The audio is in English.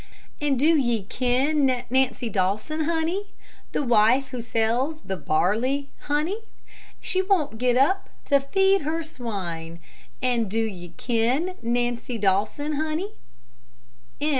And do ye ken Nancy Dawson, honey? The wife who sells the barley, honey? She won't get up to feed her swine, And do ye ken Nancy Dawson, honey?